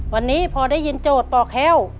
วันนี้พอได้ยินโจทย์ป่อแค้ว